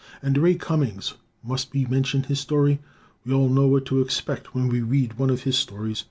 And Ray Cummings. Must we mention his story? We all know what to expect when we read one of his stories.